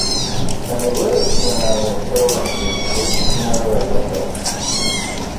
Anwa ara yesmenɛen tarwiḥt-is, ur tkeččem ara ɣer laxert?